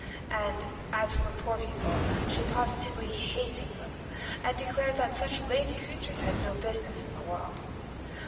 And as for poor people she positively hated them, and declared that such lazy creatures had no business in the world.